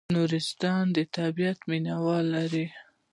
نورستان د طبیعت مینه وال لري